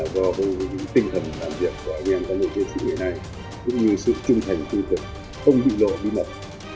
do tinh thần làm việc của anh em và những chiến sĩ ngày nay cũng như sự trung thành trung thực không bị lộ bí mật